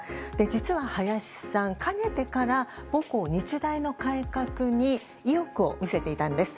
実は林さんかねてから母校・日大の改革に意欲を見せていたんです。